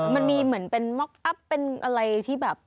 มันมีเหมือนเป็นม็อกอัพเป็นอะไรที่แบบ